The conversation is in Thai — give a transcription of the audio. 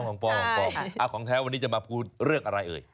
ของปลอมของแท้วันที่จะมาพูดเรือกอะไร